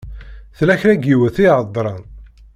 Tella kra n yiwet i iheddṛen.